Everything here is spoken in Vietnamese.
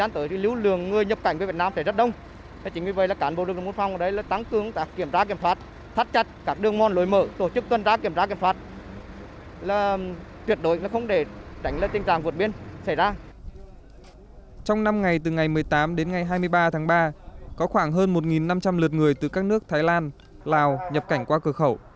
trong năm ngày từ ngày một mươi tám đến ngày hai mươi ba tháng ba có khoảng hơn một năm trăm linh lượt người từ các nước thái lan lào nhập cảnh qua cửa khẩu